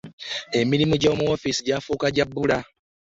Emirimu gya mu woofiisi gyafuuka gya bbula.